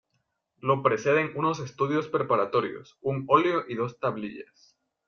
Lo preceden unos estudios preparatorios, un óleo y dos tablillas.